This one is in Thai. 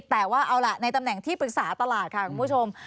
แต่ว่าเอาล่ะในตำแหน่งที่ปรึกษาตลาดค่ะคุณผู้ชม